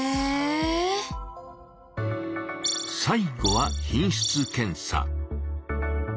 最後は「品質検査」。